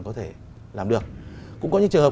có thể làm được cũng có những trường hợp